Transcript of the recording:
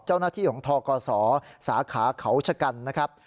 เจ้าหน้าที่ของทกศสาขาเขาชะกันนะครับ